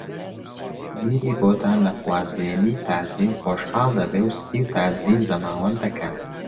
میری بۆتان لە خوازبێنیی تاجدین خۆشحاڵ دەبێ و ستی و تاجدین زەماوەند دەکەن